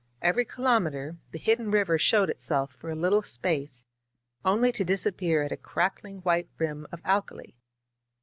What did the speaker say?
Every kilometer the hidden river showed itself for a little space, only to disappear at a crackling white rim of alkali.